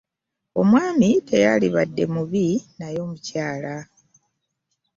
Omwami teyalibadde mubi naye omukyala.